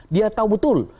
dia tahu betul